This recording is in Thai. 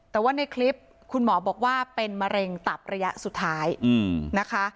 แต่ว่าในคลิปคุณหมอบอกว่าเป็นมะเร็งตับระยะสุดท้ายนะคะ